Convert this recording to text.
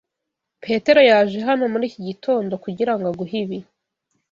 Petero yaje hano muri iki gitondo kugirango aguhe ibi.